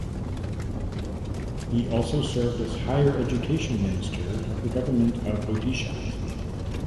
He also served as Higher Education Minister of the Government of Odisha.